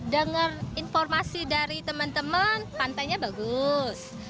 dengar informasi dari teman teman pantainya bagus